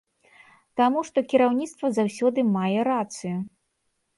Таму што кіраўніцтва заўсёды мае рацыю.